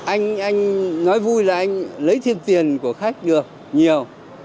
anh anh nói vui là anh lấy thêm tiền của khách được nhiều